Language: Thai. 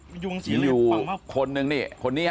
มีอยู่คนหนึ่งเนี่ย